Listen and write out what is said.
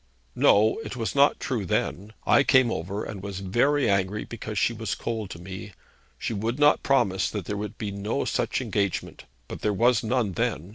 'No; it was not true then. I came over, and was very angry because she was cold to me. She would not promise that there should be no such engagement; but there was none then.